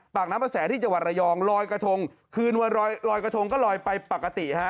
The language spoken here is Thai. ปากน้ำประแสที่จังหวัดระยองลอยกระทงคืนวันรอยกระทงก็ลอยไปปกติฮะ